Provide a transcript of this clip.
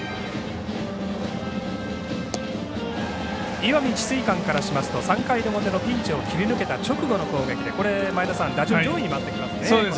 石見智翠館からしますと３回の表のピンチを切り抜けた直後の攻撃で、前田さん打順上位に回ってきますね。